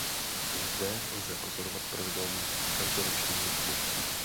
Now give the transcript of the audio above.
I zde lze pozorovat pravidelný každoroční rytmus.